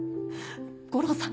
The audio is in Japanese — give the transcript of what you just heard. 悟郎さん